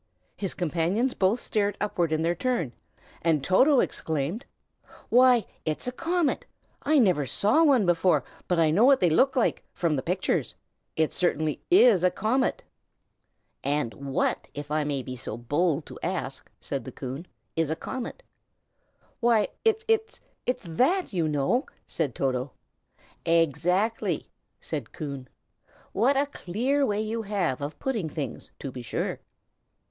His companions both stared upward in their turn, and Toto exclaimed, "Why, it's a comet! I never saw one before, but I know what they look like, from the pictures. It certainly is a comet!" "And what, if I may be so bold as to ask," said Coon, "is a comet?" "Why, it's it's THAT, you know!" said Toto. "Exactly!" said Coon. "What a clear way you have of putting things, to be sure!"